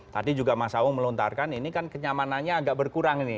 tadi juga mas awo melontarkan ini kan kenyamanannya agak berkurang ini